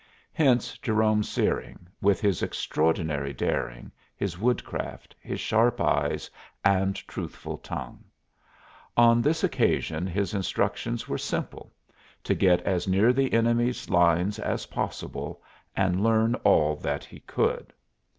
Hence Jerome Searing, with his extraordinary daring, his woodcraft, his sharp eyes, and truthful tongue. On this occasion his instructions were simple: to get as near the enemy's lines as possible and learn all that he could.